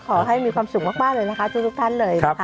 ขอให้มีความสุขมากเลยนะคะทุกท่านเลยนะคะ